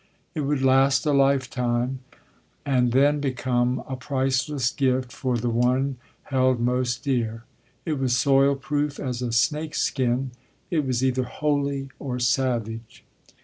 It would last a life time, and then become a priceless gift for the one held most dear. It was soil proof as a snake’s skin. It was either holy or savage.